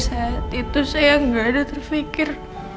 saat itu saya nggak ada terfikir